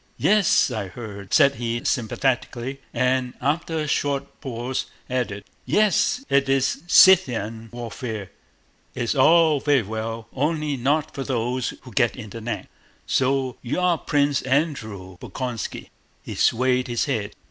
"Yes, I heard," said he sympathetically, and after a short pause added: "Yes, it's Scythian warfare. It's all vewy well—only not for those who get it in the neck. So you are Pwince Andwew Bolkónski?" He swayed his head.